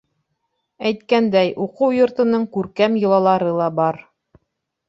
Әйткәндәй, уҡыу йортоноң күркәм йолалары ла бар.